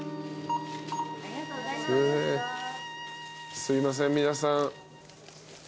すいません皆さん。